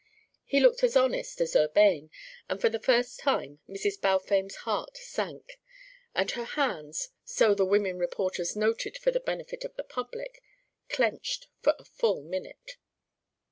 He looked as honest as urbane, and for the first time Mrs. Balfame's heart sank; and her hands, so the women reporters noted for the benefit of the public, clenched for a full minute.